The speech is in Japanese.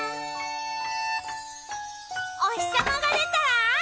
「おひさまがでたらわーい！